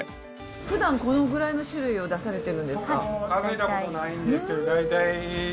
ふだんこのぐらいの種類を出されてるんですか？